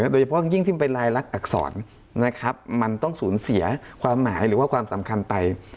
โดยเฉพาะยิ่งที่เป็นรายลักษณอักษรมันต้องสูญเสียความหมายหรือว่าความสำคัญไป